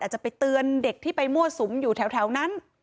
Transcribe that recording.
จะไปเตือนเด็กที่ไปมั่วสุมอยู่แถวนั้น